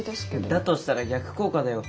だとしたら逆効果だよ。